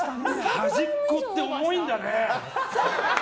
端っこって重いんだね。